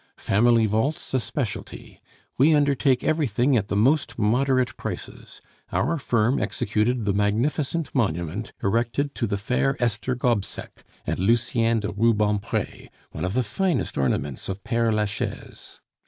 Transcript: Family vaults a specialty. We undertake everything at the most moderate prices. Our firm executed the magnificent monument erected to the fair Esther Gobseck and Lucien de Rubempre, one of the finest ornaments of Pere Lachaise.